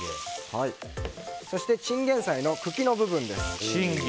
そしてチンゲンサイの茎の部分です。